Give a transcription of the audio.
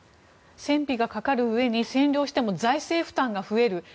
戦費がかかるうえに占領しても財政負担が増える。